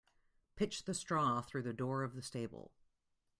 Pitch the straw through the door of the stable.